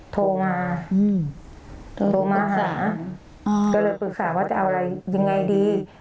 โทรมาโทรมาหาก็เลยปรึกษาว่าจะเอาอะไรยังไงดี